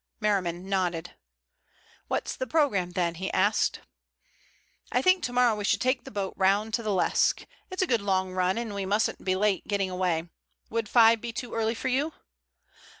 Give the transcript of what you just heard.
Merriman nodded. "What's the program then?" he asked. "I think tomorrow we should take the boat round to the Lesque. It's a good long run and we mustn't be late getting away. Would five be too early for you?"